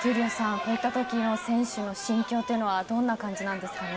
こういったときの選手の心情というのはどんな感じなんですかね。